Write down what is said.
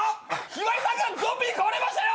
ひばりさんがゾンビにかまれましたよ。